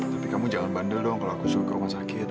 tapi kamu jangan bandel dong kalau aku suka mau sakit